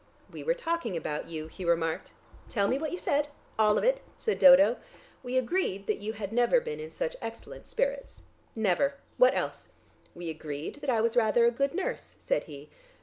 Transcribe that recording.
"We were talking about you," he remarked. "Tell me what you said. All of it," said Dodo. "We agreed you had never been in such excellent spirits." "Never. What else?" "We agreed that I was rather a good nurse," said he.